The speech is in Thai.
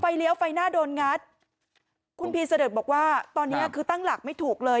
เลี้ยวไฟหน้าโดนงัดคุณพีเสด็จบอกว่าตอนเนี้ยคือตั้งหลักไม่ถูกเลย